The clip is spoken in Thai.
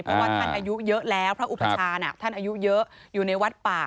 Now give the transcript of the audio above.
เพราะว่าท่านอายุเยอะแล้วพระอุปชาน่ะท่านอายุเยอะอยู่ในวัดป่า